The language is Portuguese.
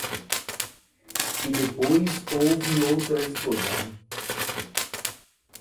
E depois houve outra explosão...